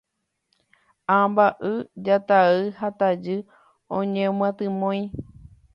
Amba'y, jata'y ha tajy oñemyatymói